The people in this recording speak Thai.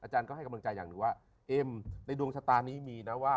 ให้กำลังใจอย่างหนึ่งว่าเอ็มในดวงชะตานี้มีนะว่า